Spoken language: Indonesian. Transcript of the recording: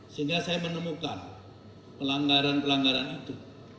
sehingga saya menemukan pelanggaran pelanggaran itu